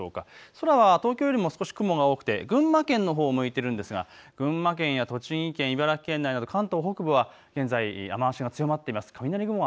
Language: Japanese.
空は東京よりも少し雲が多くて群馬県のほうを向いているんですが群馬県や栃木県、茨城県内など関東北部は現在、雨足が強まっています。